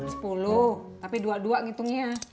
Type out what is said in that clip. sepuluh tapi dua puluh dua ngitungnya